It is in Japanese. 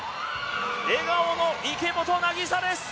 笑顔の池本凪沙です！